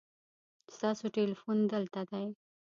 ستاسو تلیفون دلته دی